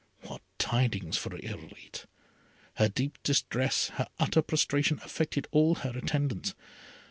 What tidings for Irolite! Her deep distress, her utter prostration, affected all her attendants.